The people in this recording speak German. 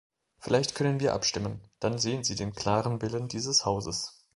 Vielleicht können wir abstimmen, dann sehen Sie den klaren Willen dieses Hauses.